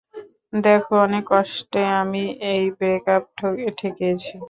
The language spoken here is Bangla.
দেখ অনেক কষ্টে আমি এই ব্রেকআপ ঠেকিয়েছি।